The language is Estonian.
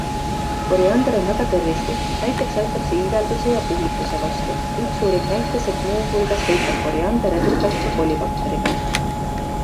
Koriander on väga tervislik, näiteks aitab see iivelduse ja puhituse vastu, üks uuring näitas, et muuhulgas võitleb koriander edukalt ka kolibakteriga.